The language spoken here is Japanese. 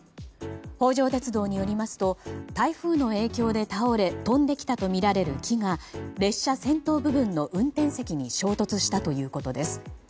北条鉄道によりますと台風の影響で倒れ飛んできたとみられる木が列車先頭部分の運転席に衝突したということです。